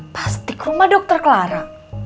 pasti ke rumah dokter clara